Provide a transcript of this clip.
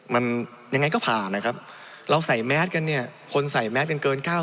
มันยังไงก็ผ่านนะครับเราใส่แมสกันเนี่ยคนใส่แมสกันเกินเก้า